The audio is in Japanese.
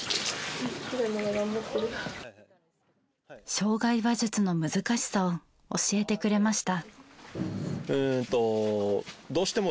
障害馬術の難しさを教えてくれました。